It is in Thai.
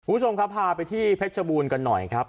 คุณผู้ชมครับพาไปที่เพชรบูรณ์กันหน่อยครับ